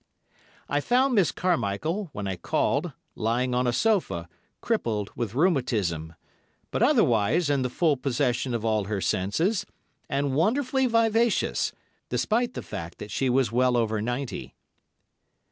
I found Miss Carmichael, when I called, lying on a sofa, crippled with rheumatism, but otherwise in the full possession of all her senses, and wonderfully vivacious, despite the fact that she was well over ninety.